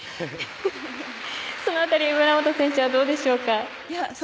その辺りは村元選手はどうでしょうか？